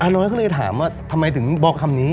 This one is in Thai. น้อยก็เลยถามว่าทำไมถึงบอกคำนี้